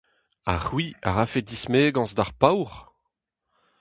Ha c’hwi a rafe dismegañs d’ar paour !